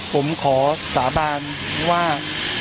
ผมขอสาบานว่า